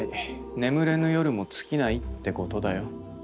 眠れぬ夜も尽きないってことだよ。